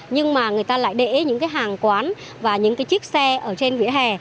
nhưng mà người ta lại để những hàng quán và những chiếc xe ở trên vỉa hè